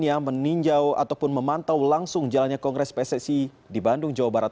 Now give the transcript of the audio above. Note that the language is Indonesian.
yang meninjau ataupun memantau langsung jalannya kongres pssi di bandung jawa barat